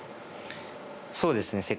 そうですね。